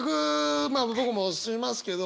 まあ僕もしますけど。